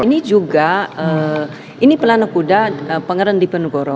ini juga ini pelana kuda pangeran diponegoro